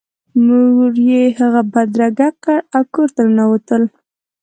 مور یې هغه بدرګه کړ او کور ته ننوتل